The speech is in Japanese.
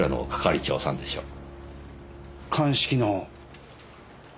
鑑識の。